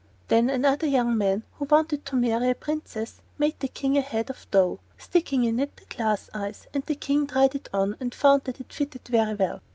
Then another young man who wanted to marry a princess made the King a head out of dough, sticking in it the glass eyes; and the King tried it on and found that it fitted very well.